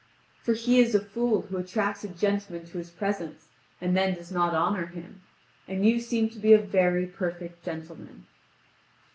For he is a fool who attracts a gentleman to his presence and then does not honour him; and you seem to be a very perfect gentleman.